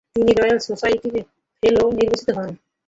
তিনি রয়েল সোসাইটির ফেলো নির্বাচিত হন।